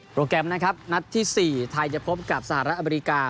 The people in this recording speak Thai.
แกรมนะครับนัดที่๔ไทยจะพบกับสหรัฐอเมริกา